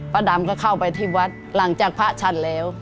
ดำก็เข้าไปที่วัดหลังจากพระชันแล้ว